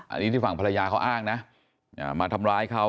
อันนี้ที่ฝั่งภรรยาเขาอ้างนะมาทำร้ายเขา